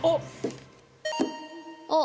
あっ。